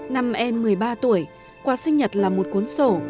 năm an một mươi ba tuổi quà sinh nhật là một cuốn sổ